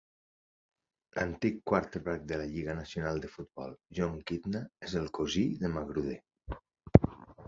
L'antic quarterback de la Lliga Nacional de Futbol Jon Kitna és el cosí de Magruder.